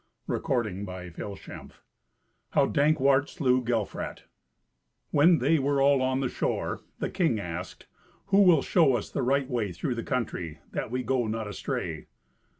Twenty Sixth Adventure How Dankwart Slew Gelfrat When they were all on the shore, the king asked, "Who will show us the right way through the country, that we go not astray?"